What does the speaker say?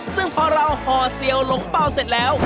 ซึ่งพอเราห่อเสียวหลงเป้าเสร็จแล้ว